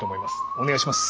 お願いします。